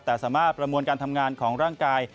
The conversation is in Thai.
แต่สามารถประมวลการทำงานของร่างกาย